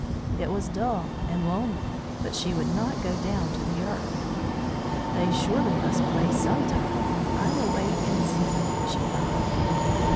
It was dull and lonely, but she would not go down to the earth. "They surely must play some time. I will wait and see," she thought.